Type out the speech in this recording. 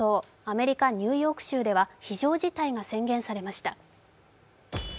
アメリカ・ニューヨーク州では非常事態が宣言されました。